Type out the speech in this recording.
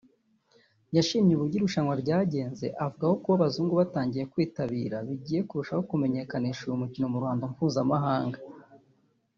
yashimye uburyo irushanwa ryagenze avuga ko kuba abazungu batangiye kwitabira bigiye kurushaho kumenyekanisha uyu mukino mu ruhando mpuzamahanga